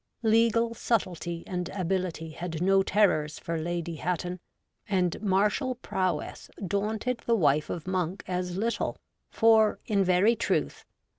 Legal subtlety and ability had no terrors for Lady Hatton, and martial prowess daunted the wife of Monk as little, for, in very truth.